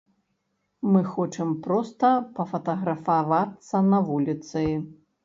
Мы хочам проста пафатаграфавацца на вуліцы.